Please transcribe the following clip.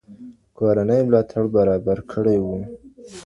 کورنۍ ملاتړ برابر کړی و.